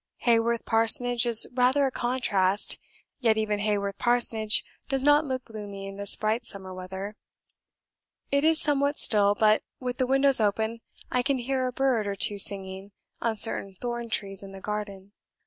Haworth Parsonage is rather a contrast, yet even Haworth Parsonage does not look gloomy in this bright summer weather; it is somewhat still, but with the windows open I can hear a bird or two singing on certain thorn trees in the garden.